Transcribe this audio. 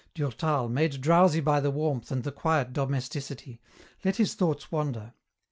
Durtal, made drowsy by the warmth and the quiet domesticity, let his thoughts wander.